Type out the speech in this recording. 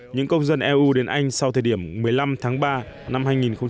những công dân eu đến anh sau thời điểm một mươi năm tháng ba năm hai nghìn hai mươi